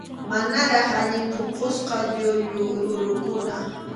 Manaraq allin puqusqa llullu rurukuna.